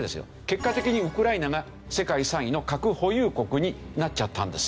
結果的にウクライナが世界３位の核保有国になっちゃったんですよ。